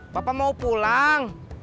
bapak mau pulang